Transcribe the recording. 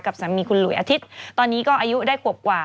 สามีคุณหลุยอาทิตย์ตอนนี้ก็อายุได้ขวบกว่า